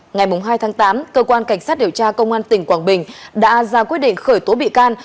ngày hai tháng tám cơ quan cảnh sát điều tra công an tỉnh quảng bình đã ra quyết định khởi tố bị can